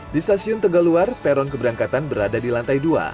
di stasiun tegaluar peron keberangkatan berada di lantai dua